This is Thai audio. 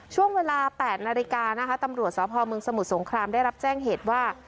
ช่วงเวลา๘นาฬิกานะคะตำรวจสพเมืองสมุทรสงครามได้รับแจ้งเหตุว่า